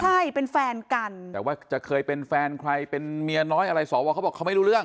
ใช่เป็นแฟนกันแต่ว่าจะเคยเป็นแฟนใครเป็นเมียน้อยอะไรสวเขาบอกเขาไม่รู้เรื่อง